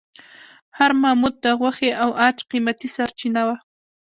هر ماموت د غوښې او عاج قیمتي سرچینه وه.